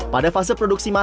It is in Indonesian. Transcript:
pada fase produksi masak